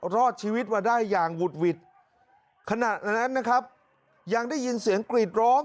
รอดชีวิตมาได้อย่างหุดหวิดขณะนั้นนะครับยังได้ยินเสียงกรีดร้อง